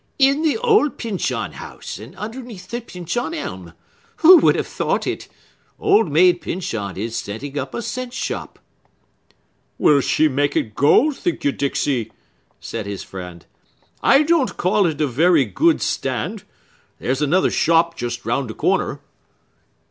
"In the old Pyncheon House, and underneath the Pyncheon Elm! Who would have thought it? Old Maid Pyncheon is setting up a cent shop!" "Will she make it go, think you, Dixey?" said his friend. "I don't call it a very good stand. There's another shop just round the corner."